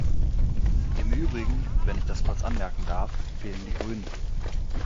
Im übrigen, wenn ich das kurz anmerken darf, fehlen die Grünen.